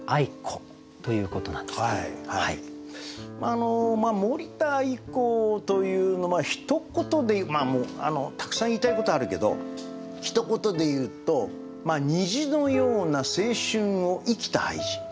あの森田愛子というのはひと言でまあもうたくさん言いたいことあるけどひと言で言うと虹のような青春を生きた俳人。